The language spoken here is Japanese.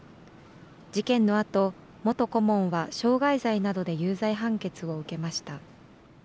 事件のあと、元顧問は傷害罪などで有罪判決を受けました。